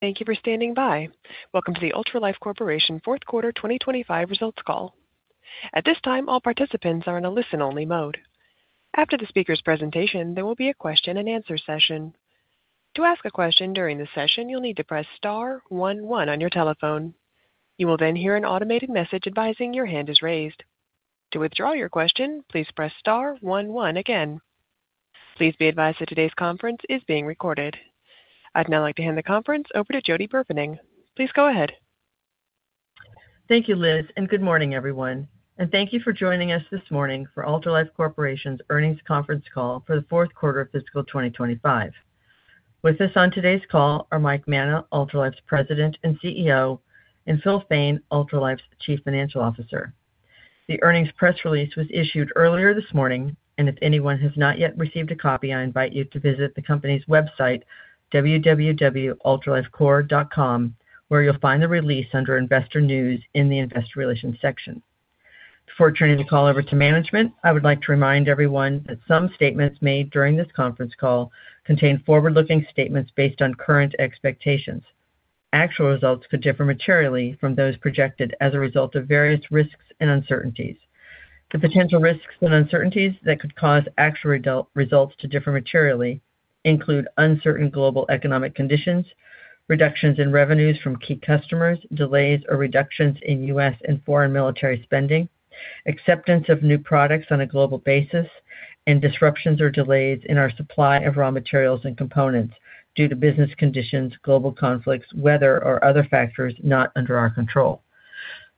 Thank you for standing by. Welcome to the Ultralife Corporation Q4 2025 results call. At this time, all participants are in a listen-only mode. After the speaker's presentation, there will be a question-and-answer session. To ask a question during the session, you'll need to press star one one on your telephone. You will then hear an automated message advising your hand is raised. To withdraw your question, please press star one one again. Please be advised that today's conference is being recorded. I'd now like to hand the conference over to Jody Burfening. Please go ahead. Thank you, Liz, and good morning, everyone. Thank you for joining us this morning for Ultralife Corporation's earnings conference call for the Q4 of fiscal 2025. With us on today's call are Mike Manna, Ultralife's President and CEO, and Phil Fain, Ultralife's Chief Financial Officer. The earnings press release was issued earlier this morning, and if anyone has not yet received a copy, I invite you to visit the company's website, www.ultralifecorporation.com, where you'll find the release under Investor News in the Investor Relations section. Before turning the call over to management, I would like to remind everyone that some statements made during this conference call contain forward-looking statements based on current expectations. Actual results could differ materially from those projected as a result of various risks and uncertainties. The potential risks and uncertainties that could cause actual results to differ materially include uncertain global economic conditions, reductions in revenues from key customers, delays or reductions in US and foreign military spending, acceptance of new products on a global basis, and disruptions or delays in our supply of raw materials and components due to business conditions, global conflicts, weather, or other factors not under our control.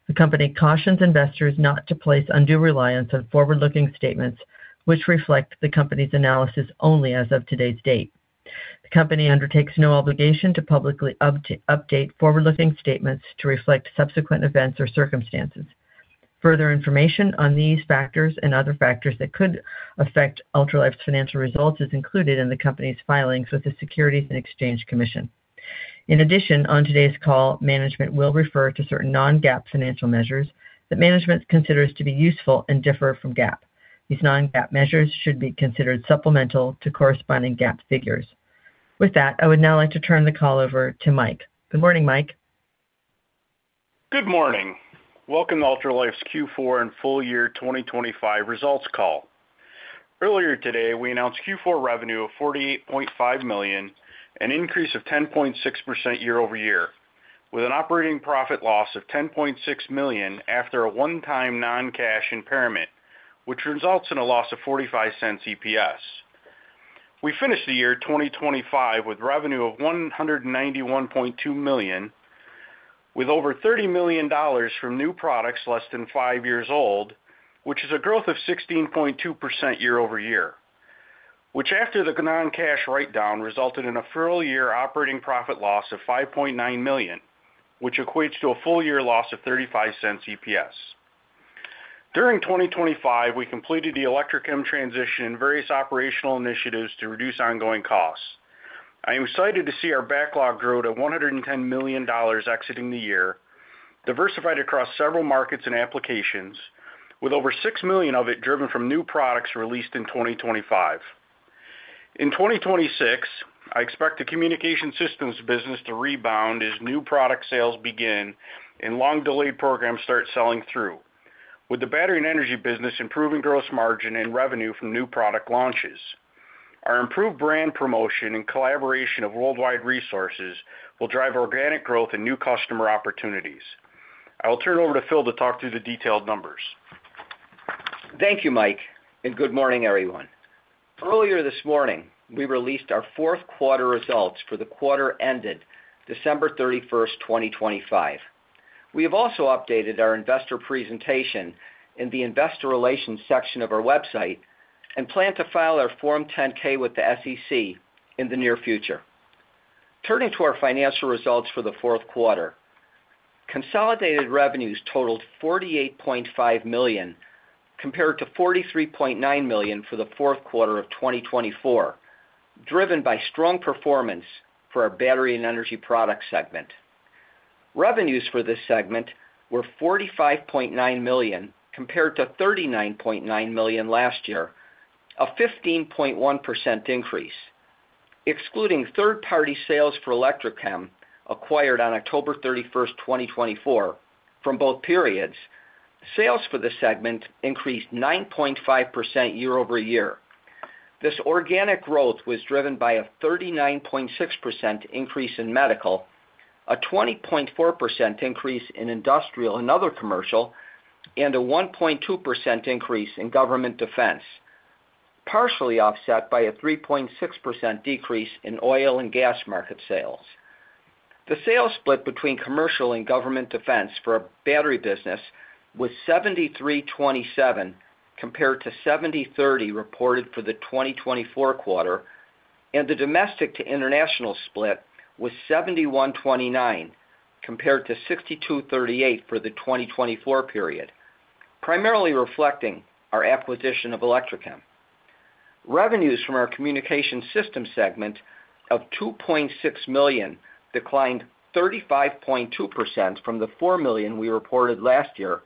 The company cautions investors not to place undue reliance on forward-looking statements, which reflect the company's analysis only as of today's date. The company undertakes no obligation to publicly update forward-looking statements to reflect subsequent events or circumstances. Further information on these factors and other factors that could affect Ultralife's financial results is included in the company's filings with the Securities and Exchange Commission. In addition, on today's call, management will refer to certain non-GAAP financial measures that management considers to be useful and differ from GAAP. These non-GAAP measures should be considered supplemental to corresponding GAAP figures. With that, I would now like to turn the call over to Mike. Good morning, Mike. Good morning. Welcome to Ultralife's Q4 and full year 2025 results call. Earlier today, we announced Q4 revenue of $48.5 million, an increase of 10.6% year-over-year, with an operating loss of $10.6 million after a one-time non-cash impairment, which results in a loss of $0.45 EPS. We finished the year 2025 with revenue of $191.2 million, with over $30 million from new products less than five years old, which is a growth of 16.2% year-over-year, which after the non-cash write-down, resulted in a full year operating loss of $5.9 million, which equates to a full year loss of $0.35 EPS. During 2025, we completed the ERP transition and various operational initiatives to reduce ongoing costs. I am excited to see our backlog grow to $110 million exiting the year, diversified across several markets and applications, with over $6 million of it driven from new products released in 2025. In 2026, I expect the Communications Systems business to rebound as new product sales begin and long delayed programs start selling through. With the battery and energy business improving gross margin and revenue from new product launches. Our improved brand promotion and collaboration of worldwide resources will drive organic growth and new customer opportunities. I will turn over to Phil to talk through the detailed numbers. Thank you, Mike, and good morning, everyone. Earlier this morning, we released our Q4 results for the quarter ended 31 December 2025. We have also updated our investor presentation in the investor relations section of our website and plan to file our Form 10-K with the SEC in the near future. Turning to our financial results for the Q4. Consolidated revenues totaled $48.5 million compared to $43.9 million for the Q4 of 2024, driven by strong performance for our battery and energy product segment. Revenues for this segment were $45.9 million compared to $39.9 million last year, a 15.1% increase. Excluding third-party sales for Electrochem, acquired on October 31, 2024 from both periods, sales for the segment increased 9.5% year-over-year. This organic growth was driven by a 39.6% increase in medical, a 20.4% increase in industrial and other commercial, and a 1.2% increase in government defense, partially offset by a 3.6% decrease in oil and gas market sales. The sales split between commercial and government defense for our battery business was 73-27 compared to 70-30 reported for the 2024 quarter, and the domestic to international split was 71-29 compared to 62-38 for the 2024 period, primarily reflecting our acquisition of Electrochem. Revenues from our Communications Systems segment of $2.6 million declined 35.2% from the $4 million we reported last year.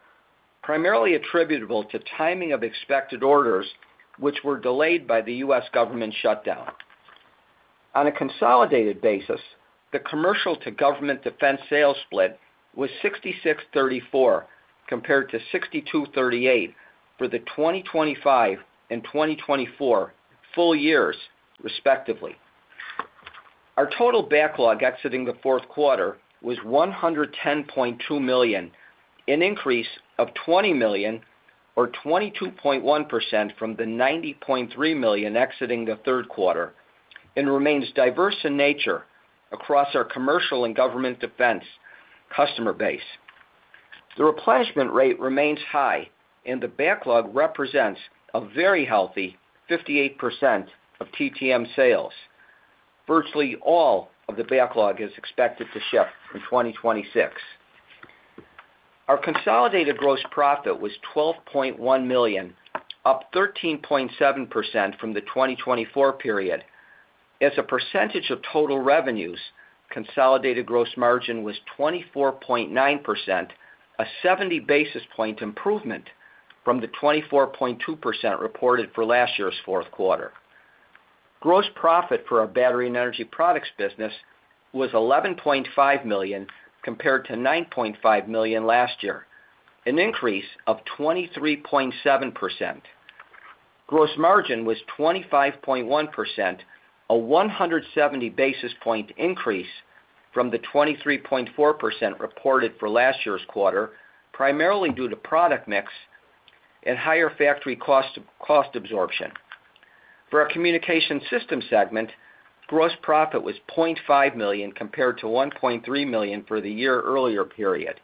Primarily attributable to timing of expected orders, which were delayed by the US government shutdown. On a consolidated basis, the commercial to government defense sales split was 66-34 compared to 62-38 for the 2025 and 2024 full years respectively. Our total backlog exiting the Q4 was $110.2 million, an increase of $20 million or 22.1% from the $90.3 million exiting the Q3, and remains diverse in nature across our commercial and government defense customer base. The replenishment rate remains high, and the backlog represents a very healthy 58% of TTM sales. Virtually all of the backlog is expected to ship in 2026. Our consolidated gross profit was $12.1 million, up 13.7% from the 2024 period. As a percentage of total revenues, consolidated gross margin was 24.9%, a 70 basis point improvement from the 24.2% reported for last year's Q4. Gross profit for our battery and energy products business was $11.5 million compared to $9.5 million last year, an increase of 23.7%. Gross margin was 25.1%, a 170 basis point increase from the 23.4% reported for last year's quarter, primarily due to product mix and higher factory cost absorption. For our Communications Systems segment, gross profit was $0.5 million compared to $1.3 million for the year earlier period.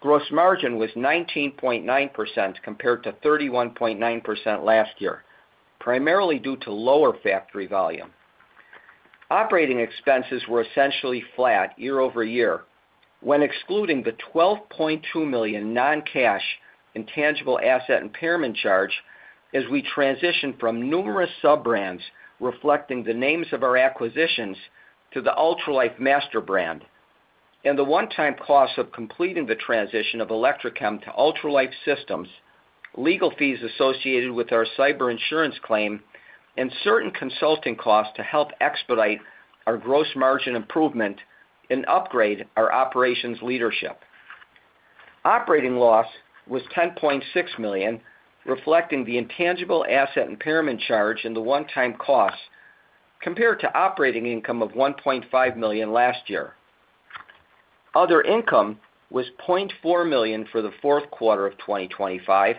Gross margin was 19.9% compared to 31.9% last year, primarily due to lower factory volume. Operating expenses were essentially flat year-over-year when excluding the $12.2 million non-cash intangible asset impairment charge as we transition from numerous sub-brands reflecting the names of our acquisitions to the Ultralife master brand, and the one-time cost of completing the transition of Electrochem to Ultralife Systems, legal fees associated with our cyber insurance claim, and certain consulting costs to help expedite our gross margin improvement and upgrade our operations leadership. Operating loss was $10.6 million, reflecting the intangible asset impairment charge and the one-time cost compared to operating income of $1.5 million last year. Other income was $0.4 million for the Q4 of 2025,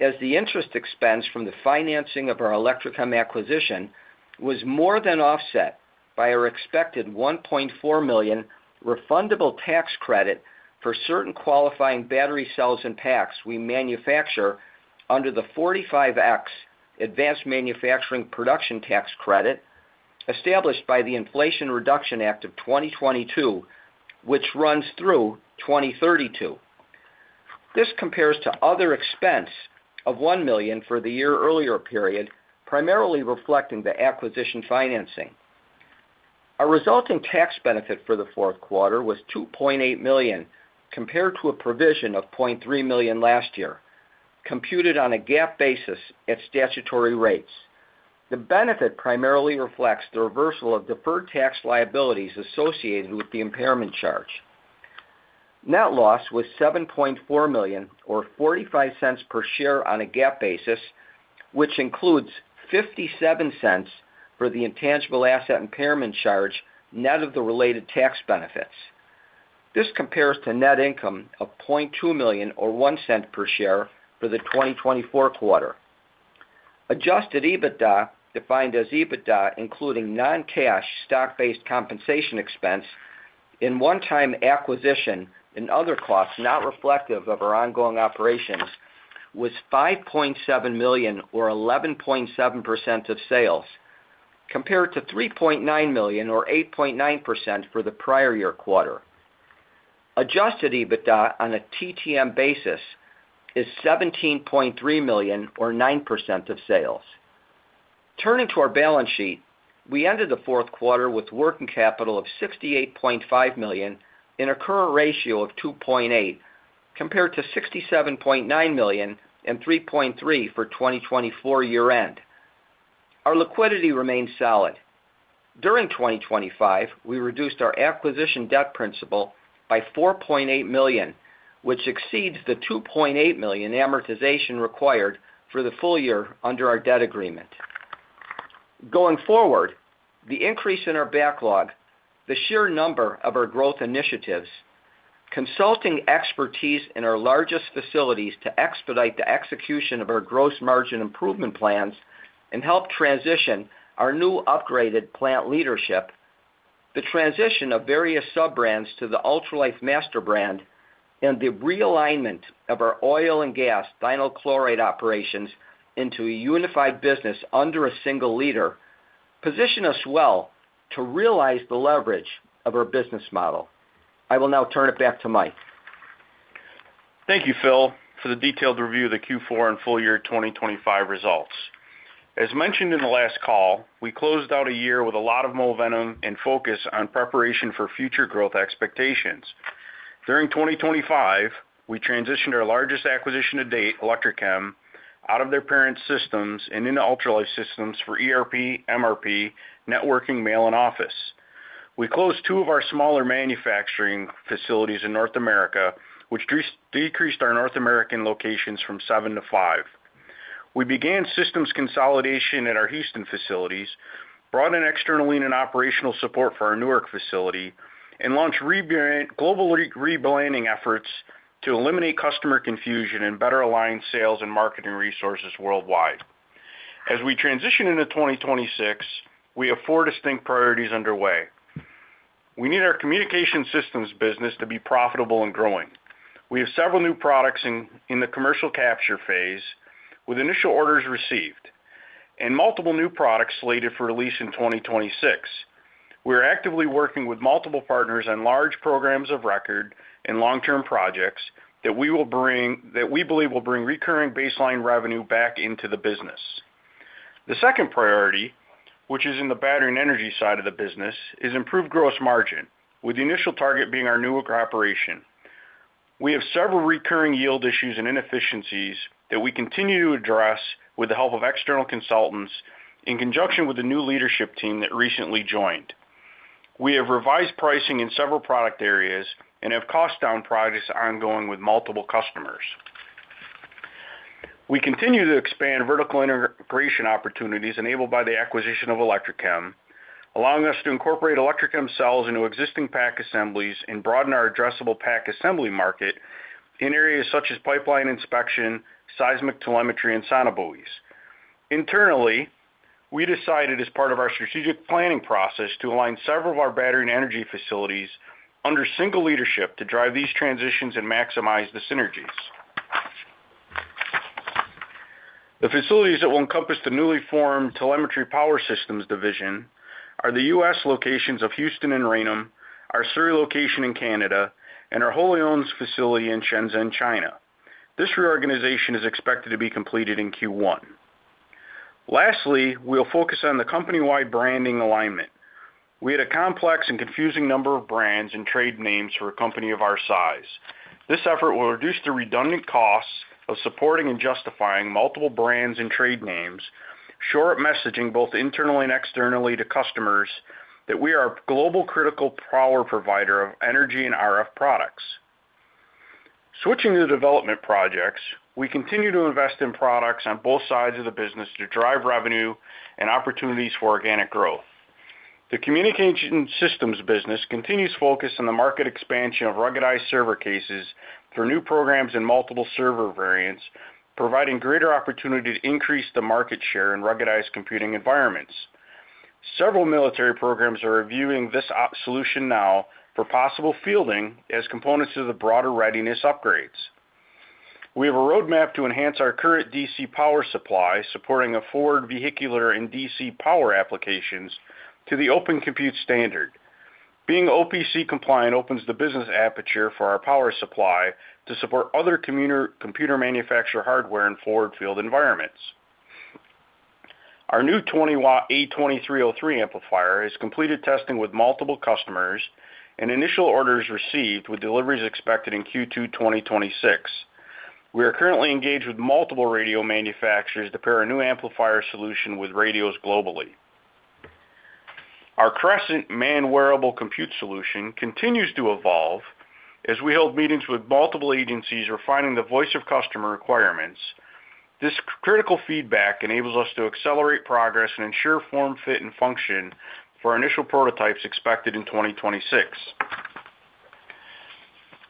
as the interest expense from the financing of our Electrochem acquisition was more than offset by our expected $1.4 million refundable tax credit for certain qualifying battery cells and packs we manufacture under the 45X advanced manufacturing production tax credit established by the Inflation Reduction Act of 2022, which runs through 2032. This compares to other expense of $1 million for the year-earlier period, primarily reflecting the acquisition financing. Our resulting tax benefit for the Q4 was $2.8 million, compared to a provision of $0.3 million last year, computed on a GAAP basis at statutory rates. The benefit primarily reflects the reversal of deferred tax liabilities associated with the impairment charge. Net loss was $7.4 million or $0.45 per share on a GAAP basis, which includes $0.57 for the intangible asset impairment charge net of the related tax benefits. This compares to net income of $0.2 million or $0.01 per share for the 2024 quarter. Adjusted EBITDA, defined as EBITDA, including non-cash stock-based compensation expense in one-time acquisition and other costs not reflective of our ongoing operations, was $5.7 million or 11.7% of sales, compared to $3.9 million or 8.9% for the prior year quarter. Adjusted EBITDA on a TTM basis is $17.3 million or 9% of sales. Turning to our balance sheet, we ended the Q4 with working capital of $68.5 million and a current ratio of 2.8, compared to $67.9 million and 3.3 for 2024 year-end. Our liquidity remains solid. During 2025, we reduced our acquisition debt principal by $4.8 million, which exceeds the $2.8 million amortization required for the full year under our debt agreement. Going forward, the increase in our backlog, the sheer number of our growth initiatives, consulting expertise in our largest facilities to expedite the execution of our gross margin improvement plans and help transition our new upgraded plant leadership, the transition of various sub-brands to the Ultralife master brand, and the realignment of our oil and gas downhole operations into a unified business under a single leader position us well to realize the leverage of our business model. I will now turn it back to Mike. Thank you, Phil, for the detailed review of the Q4 and full year 2025 results. As mentioned in the last call, we closed out a year with a lot of momentum and focus on preparation for future growth expectations. During 2025, we transitioned our largest acquisition to date, Electrochem, out of their parent systems and into Ultralife systems for ERP, MRP, networking, mail, and office. We closed two of our smaller manufacturing facilities in North America, which decreased our North American locations from 7 to 5. We began systems consolidation at our Houston facilities, brought in external lean and operational support for our Newark facility, and launched global rebranding efforts to eliminate customer confusion and better align sales and marketing resources worldwide. As we transition into 2026, we have 4 distinct priorities underway. We need our communication systems business to be profitable and growing. We have several new products in the commercial capture phase, with initial orders received, and multiple new products slated for release in 2026. We are actively working with multiple partners on large programs of record and long-term projects that we believe will bring recurring baseline revenue back into the business. The second priority, which is in the battery and energy side of the business, is improved gross margin, with the initial target being our Newark operation. We have several recurring yield issues and inefficiencies that we continue to address with the help of external consultants in conjunction with the new leadership team that recently joined. We have revised pricing in several product areas and have cost down projects ongoing with multiple customers. We continue to expand vertical integration opportunities enabled by the acquisition of Electrochem, allowing us to incorporate Electrochem cells into existing pack assemblies and broaden our addressable pack assembly market in areas such as pipeline inspection, seismic telemetry, and sonobuoys. Internally, we decided as part of our strategic planning process to align several of our battery and energy facilities under single leadership to drive these transitions and maximize the synergies. The facilities that will encompass the newly formed Telemetry Power Systems division are the US locations of Houston and Raynham, our Surrey location in Canada, and our wholly-owned facility in Shenzhen, China. This reorganization is expected to be completed in Q1. Lastly, we'll focus on the company-wide branding alignment. We had a complex and confusing number of brands and trade names for a company of our size. This effort will reduce the redundant costs of supporting and justifying multiple brands and trade names, shorten messaging both internally and externally to customers that we are a global critical power provider of energy and RF products. Switching to development projects, we continue to invest in products on both sides of the business to drive revenue and opportunities for organic growth. The Communications Systems business continues to focus on the market expansion of ruggedized server cases through new programs and multiple server variants, providing greater opportunity to increase the market share in ruggedized computing environments. Several military programs are reviewing this OCP solution now for possible fielding as components of the broader readiness upgrades. We have a roadmap to enhance our current DC power supply, supporting a forward vehicular and DC power applications to the Open Compute Standard. Being OCP compliant opens the business aperture for our power supply to support other communication computer manufacturer hardware in forward field environments. Our new 20-watt A2303 amplifier has completed testing with multiple customers, and initial orders received with deliveries expected in Q2 2026. We are currently engaged with multiple radio manufacturers to pair a new amplifier solution with radios globally. Our Crescent man-wearable compute solution continues to evolve as we hold meetings with multiple agencies refining the voice of customer requirements. This critical feedback enables us to accelerate progress and ensure form, fit, and function for our initial prototypes expected in 2026.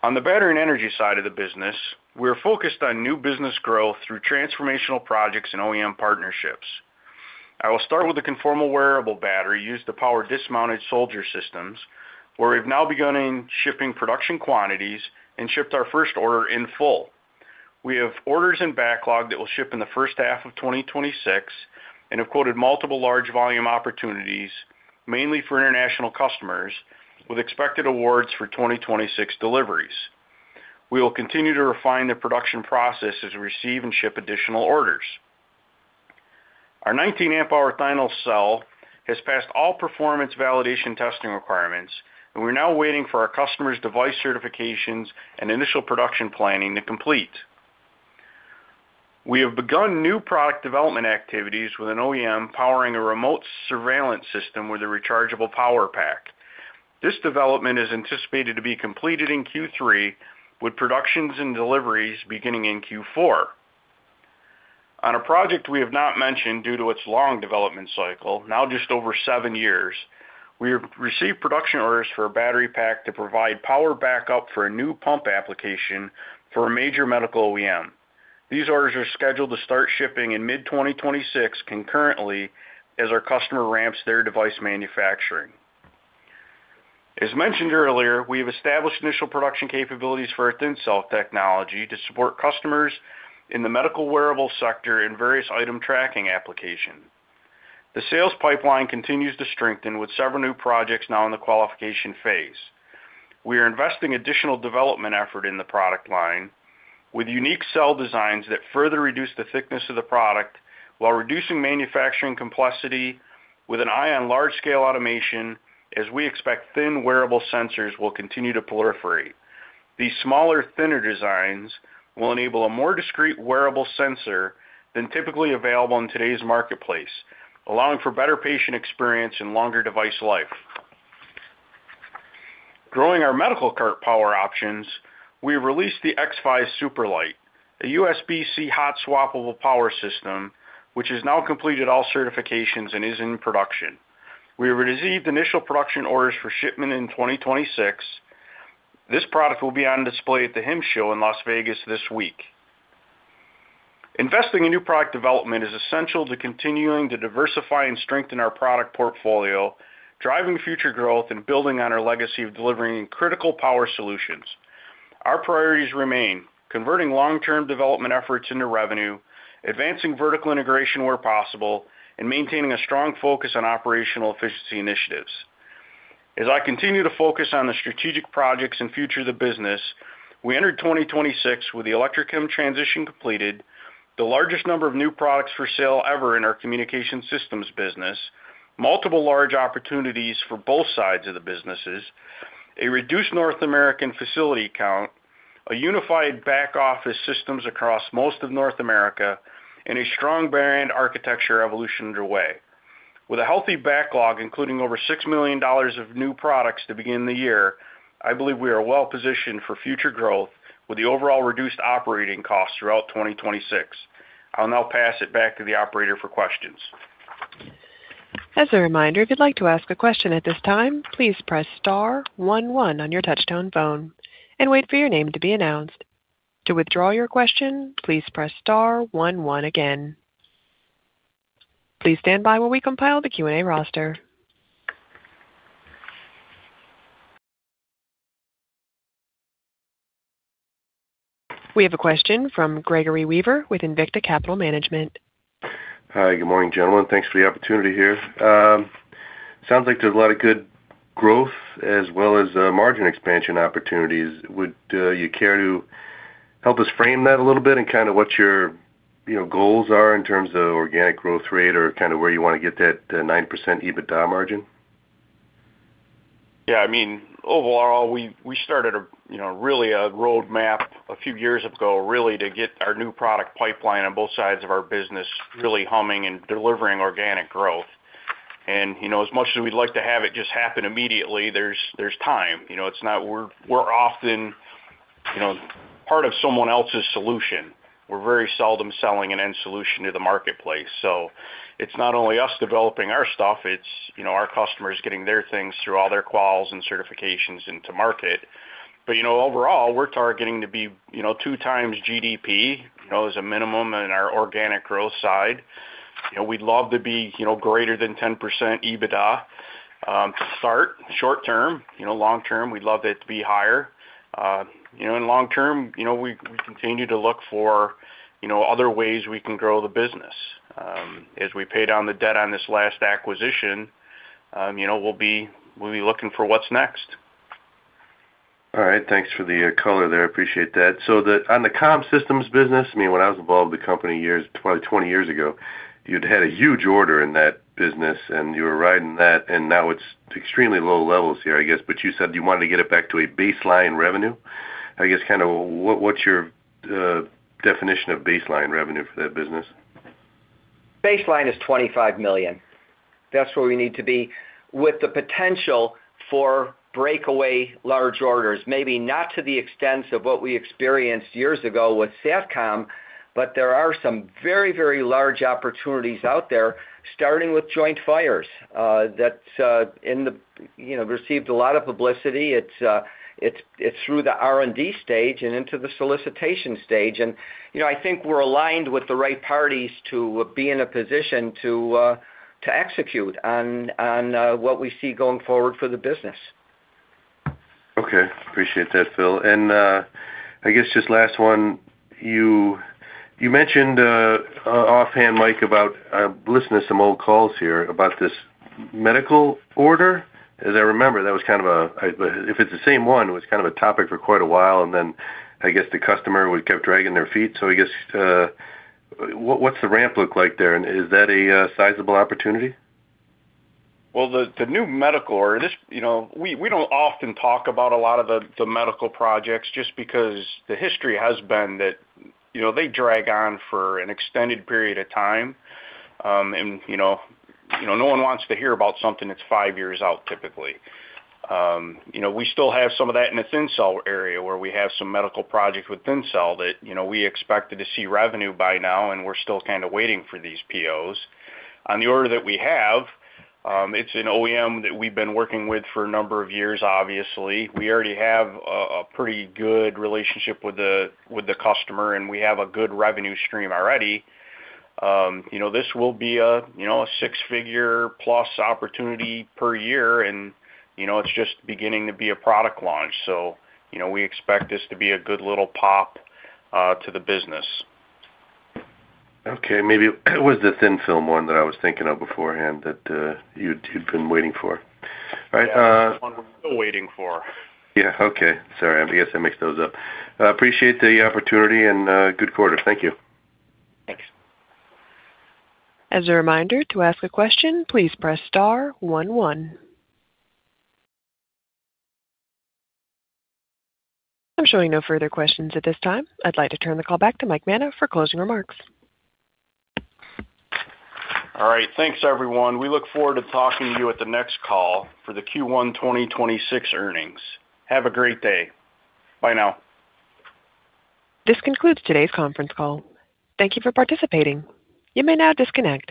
On the battery and energy side of the business, we are focused on new business growth through transformational projects and OEM partnerships. I will start with the Conformal Wearable Battery used to power dismounted soldier systems, where we've now begun shipping production quantities and shipped our first order in full. We have orders in backlog that will ship in the first half of 2026 and have quoted multiple large volume opportunities, mainly for international customers with expected awards for 2026 deliveries. We will continue to refine the production process as we receive and ship additional orders. Our 19 amp-hour Thin Cell has passed all performance validation testing requirements, and we're now waiting for our customer's device certifications and initial production planning to complete. We have begun new product development activities with an OEM powering a remote surveillance system with a rechargeable power pack. This development is anticipated to be completed in Q3, with production and deliveries beginning in Q4. On a project we have not mentioned due to its long development cycle, now just over seven years, we have received production orders for a battery pack to provide power backup for a new pump application for a major medical OEM. These orders are scheduled to start shipping in mid-2026 concurrently as our customer ramps their device manufacturing. As mentioned earlier, we have established initial production capabilities for our Thin Cell technology to support customers in the medical wearable sector in various item tracking applications. The sales pipeline continues to strengthen with several new projects now in the qualification phase. We are investing additional development effort in the product line with unique cell designs that further reduce the thickness of the product while reducing manufacturing complexity with an eye on large scale automation, as we expect thin wearable sensors will continue to proliferate. These smaller, thinner designs will enable a more discreet wearable sensor than typically available in today's marketplace, allowing for better patient experience and longer device life. Growing our medical cart power options, we released the X5-SuperLite, a USB-C hot swappable power system, which has now completed all certifications and is in production. We have received initial production orders for shipment in 2026. This product will be on display at the HIMSS show in Las Vegas this week. Investing in new product development is essential to continuing to diversify and strengthen our product portfolio, driving future growth, and building on our legacy of delivering critical power solutions. Our priorities remain converting long-term development efforts into revenue, advancing vertical integration where possible, and maintaining a strong focus on operational efficiency initiatives. As I continue to focus on the strategic projects and future of the business, we entered 2026 with the Electrochem transition completed, the largest number of new products for sale ever in our Communications Systems business, multiple large opportunities for both sides of the businesses, a reduced North American facility count, a unified back-office systems across most of North America, and a strong brand architecture evolution underway. With a healthy backlog, including over $6 million of new products to begin the year, I believe we are well positioned for future growth with the overall reduced operating costs throughout 2026. I'll now pass it back to the operator for questions. As a reminder, if you'd like to ask a question at this time, please press star one one on your touchtone phone and wait for your name to be announced. To withdraw your question, please press star one one again. Please stand by while we compile the Q&A roster. We have a question from Gregory Weaver with Invicta Capital Management. Hi. Good morning, gentlemen. Thanks for the opportunity here. Sounds like there's a lot of good growth as well as margin expansion opportunities. Would you care to help us frame that a little bit and kind of what your, you know, goals are in terms of organic growth rate or kind of where you wanna get that 9% EBITDA margin? Yeah, I mean, overall, we started a roadmap a few years ago, really to get our new product pipeline on both sides of our business really humming and delivering organic growth. You know, as much as we'd like to have it just happen immediately, there's time. You know, it's not. We're often, you know, part of someone else's solution. We're very seldom selling an end solution to the marketplace. So it's not only us developing our stuff, it's, you know, our customers getting their things through all their quals and certifications into market. You know, overall, we're targeting to be, you know, 2x GDP, you know, as a minimum in our organic growth side. You know, we'd love to be, you know, greater than 10% EBITDA to start short-term. You know, long-term, we'd love it to be higher. You know, in long term, you know, we continue to look for, you know, other ways we can grow the business. As we pay down the debt on this last acquisition, you know, we'll be looking for what's next. All right. Thanks for the color there. I appreciate that. On the comm systems business, I mean, when I was involved with the company years, probably 20 years ago, you'd had a huge order in that business, and you were riding that, and now it's extremely low levels here, I guess. You said you wanted to get it back to a baseline revenue. I guess kind of what's your definition of baseline revenue for that business? Baseline is $25 million. That's where we need to be with the potential for breakaway large orders. Maybe not to the extent of what we experienced years ago with SATCOM, but there are some very, very large opportunities out there, starting with Joint Fires that, you know, received a lot of publicity. It's through the R&D stage and into the solicitation stage. You know, I think we're aligned with the right parties to be in a position to execute on what we see going forward for the business. Okay. Appreciate that, Phil. I guess just last one. You mentioned offhand, Mike, about listening to some old calls here about this medical order. As I remember, if it's the same one, it was kind of a topic for quite a while, and then I guess the customer would kept dragging their feet. I guess, what's the ramp look like there, and is that a sizable opportunity? Well, the new medical order. You know, we don't often talk about a lot of the medical projects just because the history has been that, you know, they drag on for an extended period of time. You know, no one wants to hear about something that's five years out, typically. You know, we still have some of that in the Thin Cell area, where we have some medical projects with Thin Cell that, you know, we expected to see revenue by now, and we're still kinda waiting for these POs. On the order that we have, it's an OEM that we've been working with for a number of years, obviously. We already have a pretty good relationship with the customer, and we have a good revenue stream already. You know, this will be a, you know, a six-figure plus opportunity per year, and, you know, it's just beginning to be a product launch, so, you know, we expect this to be a good little pop to the business. Okay, maybe it was the thin film one that I was thinking of beforehand that, you two have been waiting for. All right. Yeah. The one we're still waiting for. Yeah. Okay. Sorry. I guess I mixed those up. I appreciate the opportunity and good quarter. Thank you. Thanks. As a reminder, to ask a question, please press star one one. I'm showing no further questions at this time. I'd like to turn the call back to Mike Manna for closing remarks. All right. Thanks, everyone. We look forward to talking to you at the next call for the Q1 2026 earnings. Have a great day. Bye now. This concludes today's conference call. Thank you for participating. You may now disconnect.